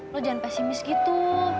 lo jangan pesimis gitu